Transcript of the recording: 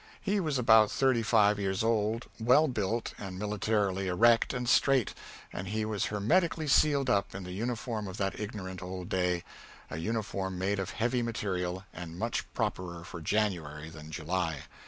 He was about thirty five years old, well built and militarily erect and straight, and he was hermetically sealed up in the uniform of that ignorant old day a uniform made of heavy material, and much properer for January than July.